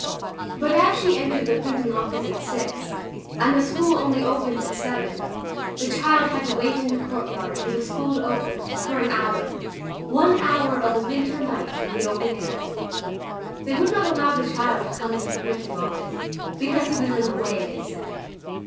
But as she entered the printing office at six, and the school only opened at seven, the child had to wait in the courtyard, for the school to open, for an hour—one hour of a winter night in the open air! They would not allow the child to come into the printing office, because he was in the way, they said.